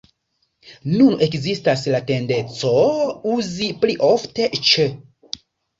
Nun ekzistas la tendenco uzi pli ofte "ĉe".